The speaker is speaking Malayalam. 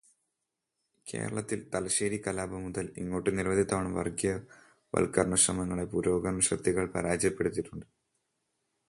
കേരളത്തില് തലശ്ശേരി കലാപം മുതല് ഇങ്ങോട്ട് നിരവധി തവണ വര്ഗീയവത്കരണ ശ്രമങ്ങളെ പുരോഗമനശക്തികള് പരാജയപ്പെടുത്തിയിട്ടുണ്ട്.